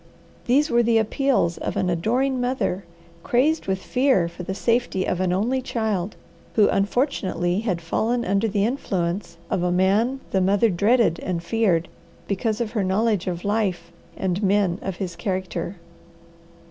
These were the appeals of an adoring mother, crazed with fear for the safety of an only child, who unfortunately had fallen under the influence of a man the mother dreaded and feared, because of her knowledge of life and men of his character.